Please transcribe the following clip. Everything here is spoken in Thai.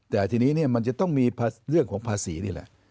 แต่ทีนี้มันจะต้องมีเรื่องของภาษีนี่แหละ